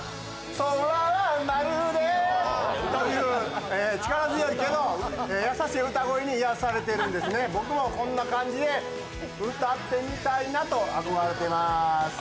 空がまるでという、力強いけど優しい歌声に癒やされているんですね、僕もこんな感じで歌ってみたいなと憧れてます。